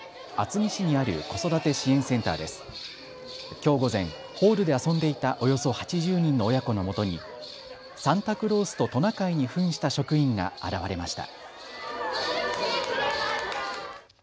きょう午前、ホールで遊んでいたおよそ８０人の親子のもとにサンタクロースとトナカイにふんした職員が現れました。